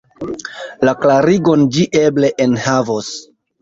La klarigon ĝi eble enhavos.